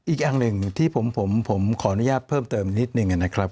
อีกอย่างหนึ่งที่ผมขออนุญาตเพิ่มเติมนิดหนึ่งนะครับ